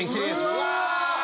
うわ！